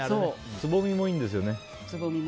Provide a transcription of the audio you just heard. つぼみもいいんですよね。